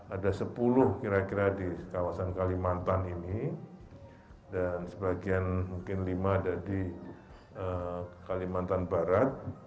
ada sepuluh kira kira di kawasan kalimantan ini dan sebagian mungkin lima ada di kalimantan barat